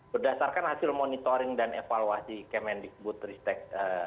berdasarkan hasil monitoring dan evaluasi kemendikbud ristek